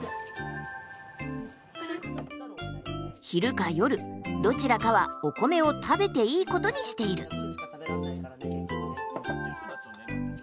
昼か夜どちらかはお米を食べていいことにしている。